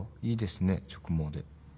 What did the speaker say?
いいですね直毛で